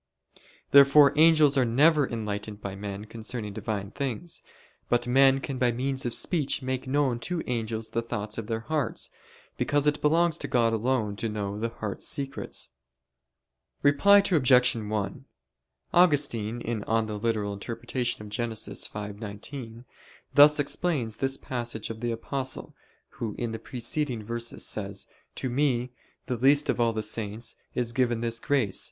Therefore angels are never enlightened by men concerning Divine things. But men can by means of speech make known to angels the thoughts of their hearts: because it belongs to God alone to know the heart's secrets. Reply Obj. 1: Augustine (Gen. ad lit. v, 19) thus explains this passage of the Apostle, who in the preceding verses says: "To me, the least of all the saints, is given this grace